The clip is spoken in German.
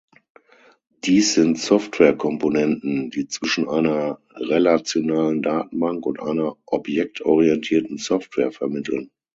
Dies sind Softwarekomponenten, die zwischen einer relationalen Datenbank und einer objektorientierten Software vermitteln.